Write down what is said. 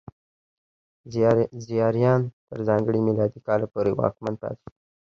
زیاریان تر ځانګړي میلادي کاله پورې واکمن پاتې شول.